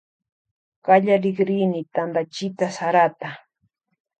Kallarikrini tantachita sarata.